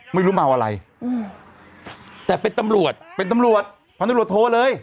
ไม่รู้เมาอะไรอืมแต่เป็นตำรวจเป็นตำรวจพันธบรวจโทรเลย